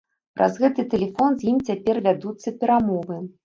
Праз гэты тэлефон з ім цяпер вядуцца перамовы.